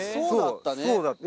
そうだったね